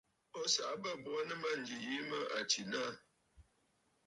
O saꞌa bə̂ bo aa nɨ mânjì yìi mə à tsìnə aà.